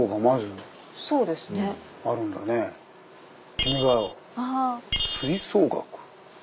「君が代」「吹奏楽」。